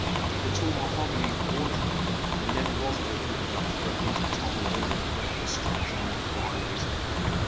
The tall mahogany wardrobe that never was opened without threatening to topple over and wreak destruction on its violator.